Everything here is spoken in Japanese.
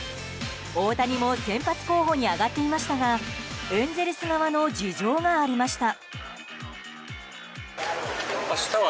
大谷も先発候補に挙がっていましたがエンゼルス側の事情がありました。